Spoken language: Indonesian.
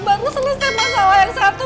baru selesai masalah yang satu